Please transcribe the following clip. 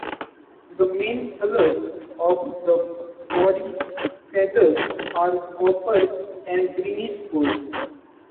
The main colors of the body feathers are copper and greenish-gold.